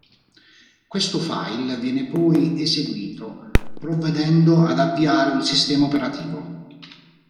Questo file viene poi eseguito, provvedendo ad avviare un sistema operativo.